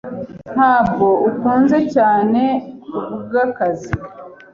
Ntabwo ukuze cyane kubwakazi.